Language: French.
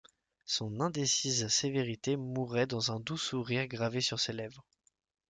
Son indécise sévérité mourait dans un doux sourire gravé sur ses lèvres.